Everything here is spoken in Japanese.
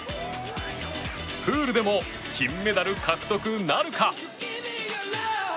プールでも金メダル獲得なるか？